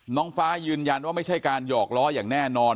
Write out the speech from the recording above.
น้องฟ้ายืนยันว่าไม่ใช่การหยอกล้ออย่างแน่นอน